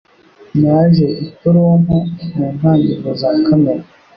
Naje i Toronto mu ntangiriro za Kamena.